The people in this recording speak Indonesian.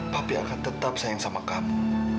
tapi akan tetap sayang sama kamu